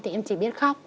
thì em chỉ biết khóc